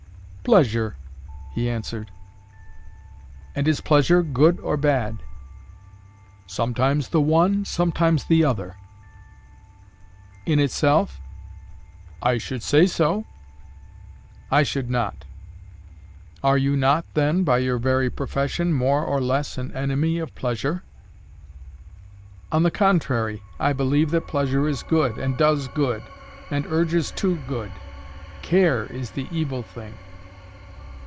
"Pleasure," he answered. "And is pleasure good or bad?" "Sometimes the one, sometimes the other." "In itself?" "I should say so." "I should not." "Are you not, then, by your very profession, more or less an enemy of pleasure?" "On the contrary, I believe that pleasure is good, and does good, and urges to good. CARE is the evil thing."